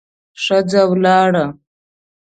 ښځه ولاړه.